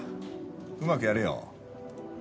うまくやれよ。